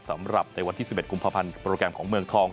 สำหรับในวันที่๑๑กุมภาพันธ์โปรแกรมของเมืองทอง